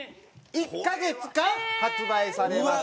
１カ月間発売されます。